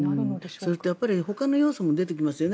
そうするとほかの要素も出てきますよね。